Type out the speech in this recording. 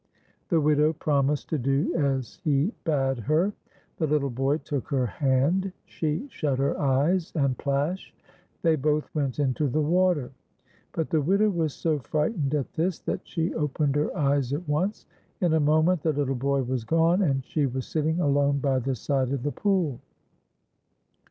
The widow promised to do as he bade her. The little boy took her hand, she shut her e\es, and plash ! they both went into the water ; but the widow was so frightened at this that she opened her eyes at once. In a moment the httle boy was gone, and she was sitting alone by the side of the pool.